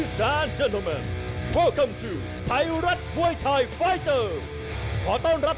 ไทยรัฐปวยไทยไฟเตอร์